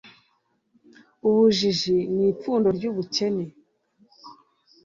ubujiji ni ipfundo ry' ubukene